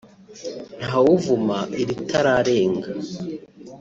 Ntawuvuma iritararenga”